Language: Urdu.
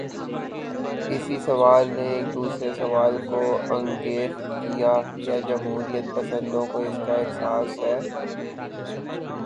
اسی سوال نے ایک دوسرے سوال کو انگیخت کیا: کیا جمہوریت پسندوں کو اس کا احساس ہے؟